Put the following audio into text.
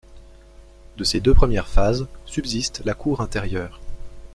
De ces deux premières phases subsiste la cour intérieure.